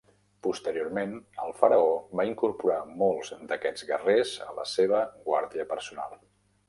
Posteriorment, el faraó va incorporar molts d'aquests guerrers a la seva guàrdia personal.